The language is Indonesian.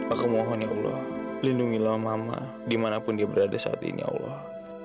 aku mohon ya allah lindungilah mama dimanapun dia berada saat ini allah